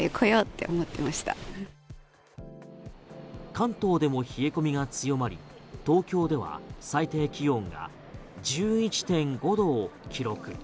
関東でも冷え込みが強まり東京では最低気温が１１．５度を記録。